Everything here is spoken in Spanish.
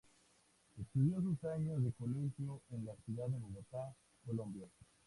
Estudió sus años de colegio en la ciudad de Bogotá, Colombia.